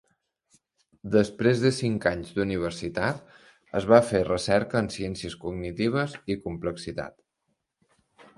Després de cinc anys d'universitat, es va fer recerca en ciències cognitives i complexitat.